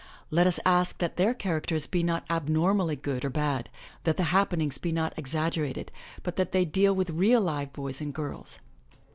Let us ask that their characters be not abnormally good or bad, that the happen ings be not exaggerated, but that they deal with real live boys and girls.